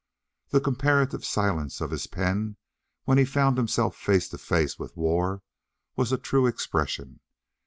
The comparative silence of his pen when he found himself face to face with war was a true expression.